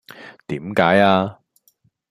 點解呀